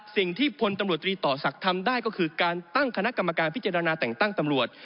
สิ่งที่พตศทำได้ก็คือการตั้งคณะกรรมการพิจารณาแต่งตั้งตำรวจ